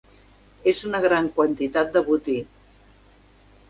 És una gran quantitat de botí.